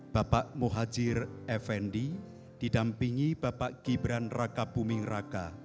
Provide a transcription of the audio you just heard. bapak muhajir effendi didampingi bapak gibran raka buming raka